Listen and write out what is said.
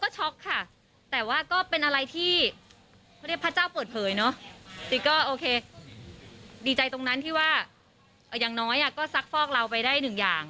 ใจตรงนั้นที่ว่าอย่างน้อยก็ซักฟอกเราไปได้หนึ่งอย่าง